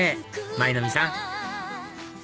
舞の海さん